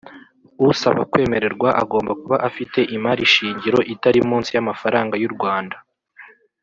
Usaba kwemererwa agomba kuba afite imarishingiro itari munsi y amafaranga y u rwanda